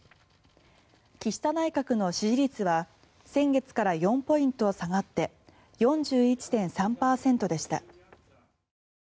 岸田内閣の支持率は先月から４ポイント下がって４１．３％でした。